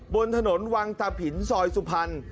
บนถนนวังตะผินซอยสุพรรณ